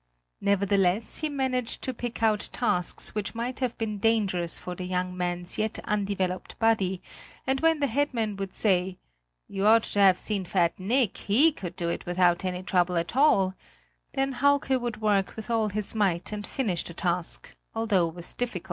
Nevertheless he managed to pick out tasks which might have been dangerous for the young man's yet undeveloped body; and when the head man would say: "You ought to have seen fat Nick, he could do it without any trouble at all," then Hauke would work with all his might and finish the task, although with difficulty.